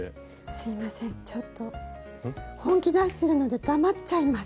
すいませんちょっと本気出しているので黙っちゃいます。